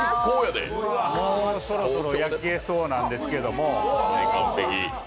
もうそろそろ焼けそうなんですけど。